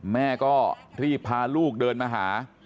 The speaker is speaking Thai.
แม่ก็รีบพาลูกเดินมาหา